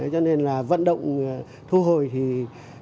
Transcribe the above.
cho nên là vận động thu hồi thì chúng tôi cũng